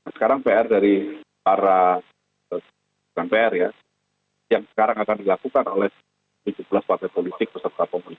sekarang pr dari para mpr ya yang sekarang akan dilakukan oleh tujuh belas partai politik beserta pemilu